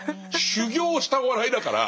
修業したお笑いだから。